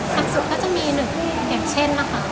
ผักสุกก็จะมีหนึ่งอย่างเช่นมะขาม